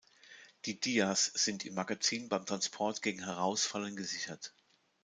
Die Dias sind im Magazin beim Transport gegen Herausfallen gesichert.